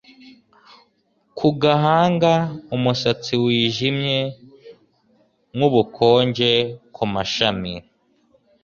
ku gahanga, umusatsi wijimye nkubukonje kumashami